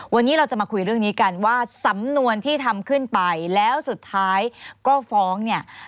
วันนี้เราจะมาคุยเรื่องนี้กันว่าสำนวนที่ทำขึ้นไปแล้วสุดท้ายก็ฟ้องเนี่ย